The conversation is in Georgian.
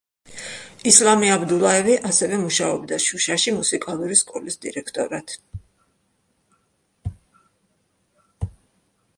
ისლამი აბდულაევი ასევე მუშაობდა შუშაში მუსიკალური სკოლის დირექტორად.